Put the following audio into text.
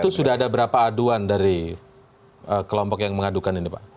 itu sudah ada berapa aduan dari kelompok yang mengadukan ini pak